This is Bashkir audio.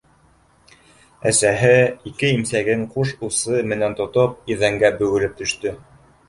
Әсәһе, ике имсәген ҡуш усы менән тотоп, иҙәнгә бөгөлөп төштө: